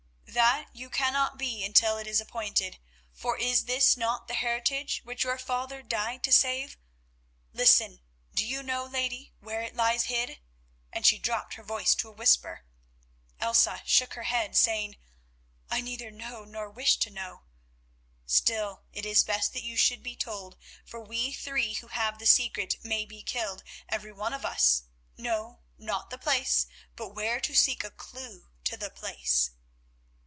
"That you cannot be until it is appointed, for is this not the heritage which your father died to save? Listen. Do you know, lady, where it lies hid?" and she dropped her voice to a whisper. Elsa shook her head, saying: "I neither know nor wish to know." "Still it is best that you should be told, for we three who have the secret may be killed, every one of us—no, not the place, but where to seek a clue to the place."